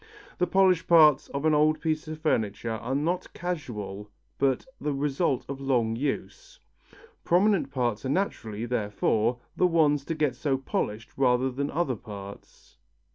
The polished parts of an old piece of furniture are not casual but the result of long use. Prominent parts are naturally, therefore, the ones to get so polished rather than other parts.